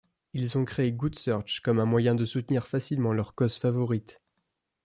Ils ont créé GoodSearch comme un moyen de soutenir facilement leur cause favorite.